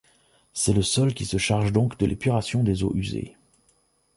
C’est le sol qui se charge donc de l’épuration des eaux usées.